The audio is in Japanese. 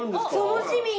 楽しみ。